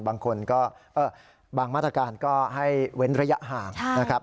บางคนก็บางมาตรการก็ให้เว้นระยะห่างนะครับ